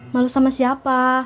malu sama siapa